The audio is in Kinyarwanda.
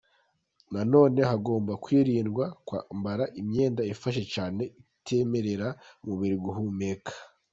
Nanone hagomba kwirindwa kwambara imyenda ifashe cyane itemerera umubiri guhumeka.